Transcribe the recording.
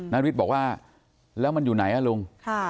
นาริสบอกว่าแล้วมันอยู่ไหนอ่ะลุง